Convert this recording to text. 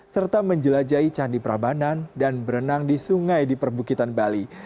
serta menjelajahi candi prabanan dan berenang di sungai di perbukitan bali